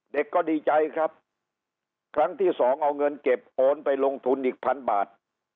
เด็กก็ดีใจครับครั้งที่สองเอาเงินเก็บโอนไปลงทุนอีกพันบาท